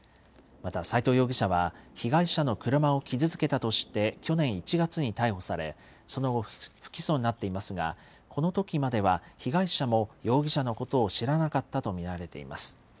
また斎藤容疑者は、被害者の車を傷付けたとして、去年１月に逮捕され、その後、不起訴になっていますが、このときまでは被害者も容疑者のことを知らなかったと見られています。